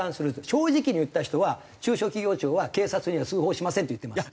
正直に言った人は中小企業庁は警察には通報しませんって言ってます。